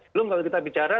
belum kalau kita bicara